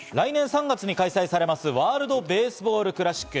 来年３月に開催されますワールド・ベースボール・クラシック。